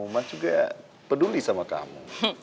umat juga peduli sama kamu